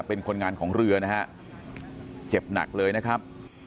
เป็นคนงานของเรือนะฮะเจ็บหนักเลยนะครับ